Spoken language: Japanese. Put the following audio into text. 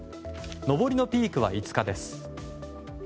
上りのピークは５日です。